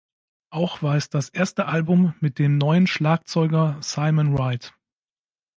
Auch war es das erste Album mit dem neuen Schlagzeuger Simon Wright.